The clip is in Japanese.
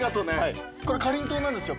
これかりんとうなんですよ